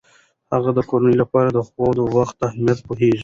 هغې د کورنۍ لپاره د خوب د وخت اهمیت پوهیږي.